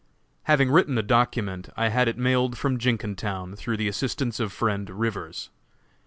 Having written the document, I had it mailed from Jenkintown, through the assistance of friend Rivers.